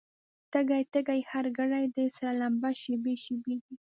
تږی، تږی هر ګړی دی، سره لمبه شېبې شېبې دي